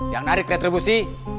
yang narik retribusi